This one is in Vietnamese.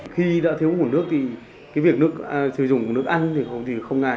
khi đã thiếu nguồn nước thì cái việc nước sử dụng nước ăn thì không ngại